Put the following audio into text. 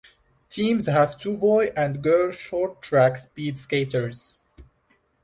Teams have two boy and girl short track speed skaters.